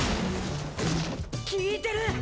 効いてる！